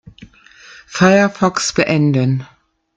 Firefox beenden.